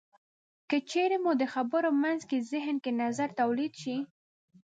که چېرې مو د خبرو په منځ کې زهن کې نظر تولید شي.